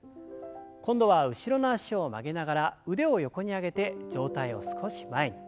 今度は後ろの脚を曲げながら腕を横に上げて上体を少し前に。